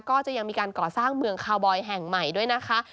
ก็ยังมีการก่อสร้างเมืองคาวบอยแห่งใหม่ด้วยนะคะ